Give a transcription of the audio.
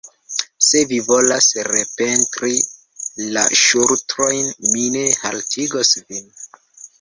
Se vi volas repentri la ŝutrojn, mi ne haltigos vin.